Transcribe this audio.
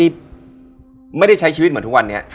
ไม่ได้ใช้ชีวิตเหมือนทุกวันนี้